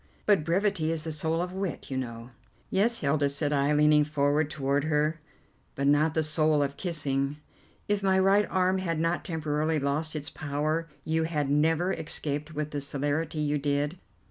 "But brevity is the soul of wit, you know." "Yes, Hilda," said I, leaning forward toward her, "but not the soul of kissing. If my right arm had not temporarily lost its power you had never escaped with the celerity you did.